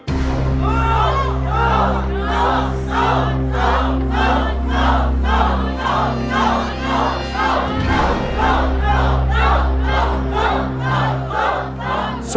สู้สู้สู้